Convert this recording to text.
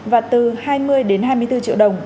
và từ hai mươi đến hai mươi bốn triệu đồng